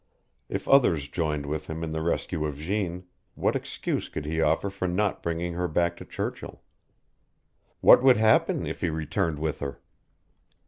If others joined with him in the rescue of Jeanne what excuse could he offer for not bringing her back to Churchill? What would happen if he returned with her?